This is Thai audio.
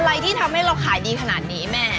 อะไรที่ทำให้เราขายดีขนาดนี้แม่